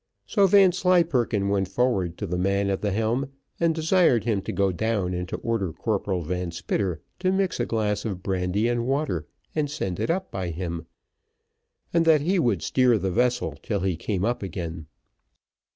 So Vanslyperken went forward to the man at the helm, and desired him to go down and to order Corporal Van Spitter to mix a glass of brandy and water, and send it up by him, and that he would steer the vessel till he came up again.